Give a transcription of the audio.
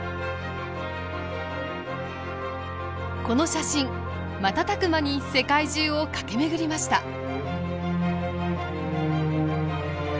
この写真瞬く間に世界中を駆け巡りました。